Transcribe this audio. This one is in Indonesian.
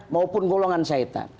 maupun golongan syaitan